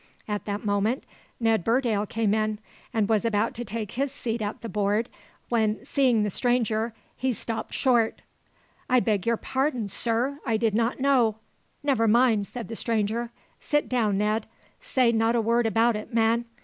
At that moment Ned Burdale came in, and was about to take his seat at the board, when, seeing the stranger, he stopped short. "I beg your pardon, sir! I did not know " "Never mind!" said the stranger; "sit down, Ned; say not a word about it, man!"